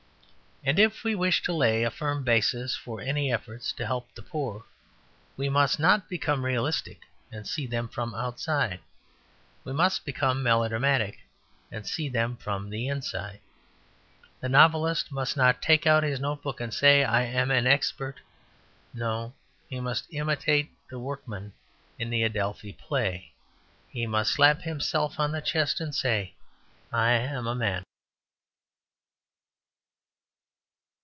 And if we wish to lay a firm basis for any efforts to help the poor, we must not become realistic and see them from the outside. We must become melodramatic, and see them from the inside. The novelist must not take out his notebook and say, "I am an expert." No; he must imitate the workman in the Adelphi play. He must slap himself on the chest and say, "I am a man."